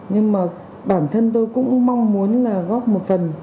nhưng mà bản thân tôi cũng mong muốn là góp một phần